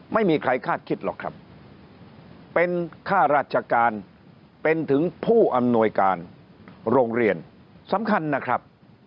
ไม่มีใครคาดคิดหรอกครับเป็นค่าราชการเป็นถึงผู้อำนวยการโรงเรียนสำคัญนะครับ